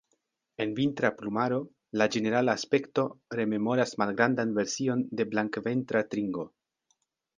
En vintra plumaro, la ĝenerala aspekto rememoras malgrandan version de Blankventra tringo.